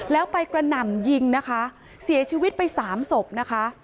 แล้วไปกระหน่ำยิงนะคะเสียชีวิตไปสามศพนะคะ